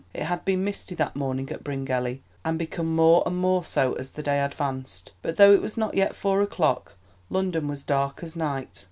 It had been misty that morning at Bryngelly, and become more and more so as the day advanced; but, though it was not yet four o'clock, London was dark as night.